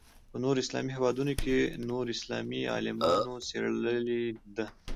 په نورو اسلامي هېوادونو کې نور اسلامي عالمانو څېړلې ده.